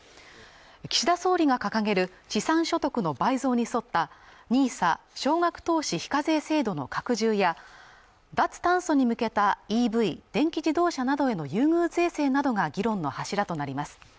岸田総理が掲げる資産所得の倍増に沿ったＮＩＳＡ＝少額投資非課税制度の拡充や脱炭素に向けたＥＶ＝電気自動車などへの優遇税制などが議論の柱となります